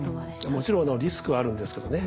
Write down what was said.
もちろんリスクはあるんですけどね。